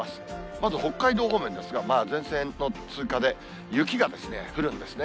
まず北海道方面ですが、まあ前線の通過で、雪が降るんですね。